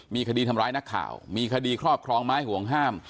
มีคดีทำร้ายนักข่าวมีคดีครอบครองไม้ห่วงห้าม